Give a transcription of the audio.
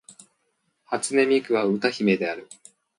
初音ミクは歌姫である